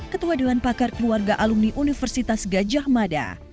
ketua dewan pakar keluarga alumni universitas gajah mada